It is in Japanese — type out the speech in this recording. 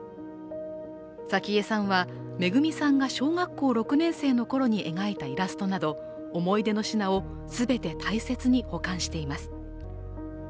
早紀江さんはめぐみさんが小学校６年生の頃に描いたイラストなど思い出の品を全て大切に保管しています。